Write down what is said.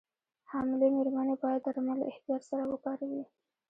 حاملې مېرمنې باید درمل له احتیاط سره وکاروي.